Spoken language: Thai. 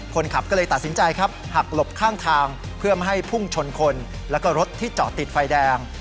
คนขับก็เลยตัดสินใจครับหักหลบข้างทางเพื่อไม่ให้พุ่งชนคนแล้วก็รถที่จอดติดไฟแดง